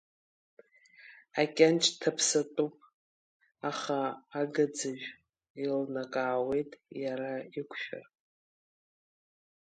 Акьанҷ ҭаԥсатәуп, аха агаӡажә еилнакаауеи, иара иқәшәар?!